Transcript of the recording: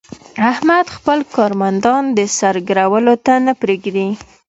احمد خپل کارمندان د سر ګرولو ته نه پرېږي.